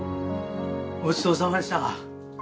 ごちそうさまでした。